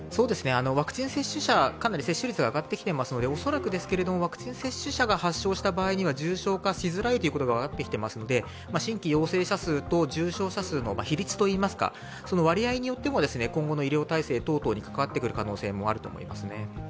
ワクチン接種者、かなり接種率が上がってきているので恐らくですがワクチン接種者が発症した場合は重症化しづらいことが分かってきていますので新規陽性者と重症者の比率といいますか、割合によっても今後の医療体制等に関わってくる可能性もあると思いますね。